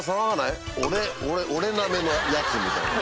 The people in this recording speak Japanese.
俺ナメのやつみたいな。